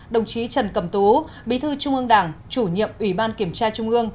đồng chí trần cầm tú bí thư trung ương đảng chủ nhiệm ủy ban kiểm tra trung ương